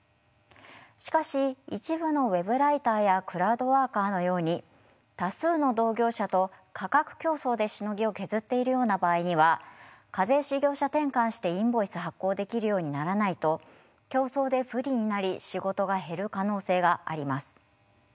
しかし一部のＷｅｂライターやクラウドワーカーのように多数の同業者と価格競争でしのぎを削っているような場合には課税事業者転換してインボイス発行できるようにならないと競争で不利になり仕事が減る可能性があります。